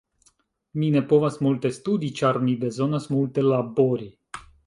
Mi ne povas multe studi ĉar mi bezonas multe labori.